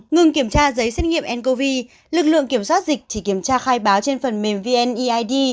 ngừng kiểm tra giấy xét nghiệm ncov lực lượng kiểm soát dịch chỉ kiểm tra khai báo trên phần mềm vneid